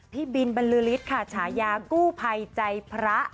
พี่บินบรรลือฤทธิ์ค่ะฉายากู้ภัยใจพระ